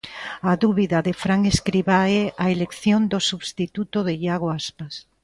A dúbida de Fran Escribá é a elección do substituto de Iago Aspas.